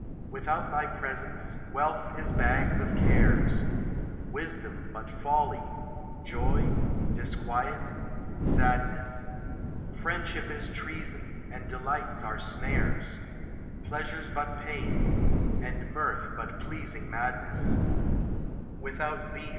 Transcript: Without thy presence, wealth is bags of cares; Wisdom but folly; joy, disquiet — sadness; Friendship is treason, and delights are snares; Pleasures but pain, and mirth but pleasing mad ness; Without thee.